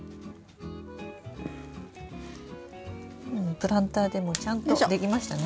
プランターでもちゃんとできましたね。